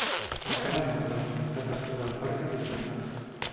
La cara nord del comtat es troba al parc Adirondack.